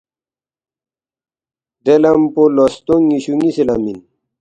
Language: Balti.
دے لمپو لو ستونگ نِ٘یشُو نِ٘یسی لم اِن